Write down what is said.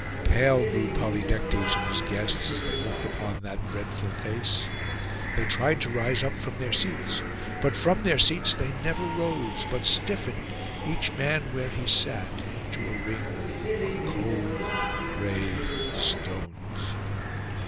Pale grew Polydectes and his guests as they looked upon that dreadful face. They tried to rise up from their seats: but from their seats they never rose, but stiffened, each man where he sat, into a ring of cold gray stones.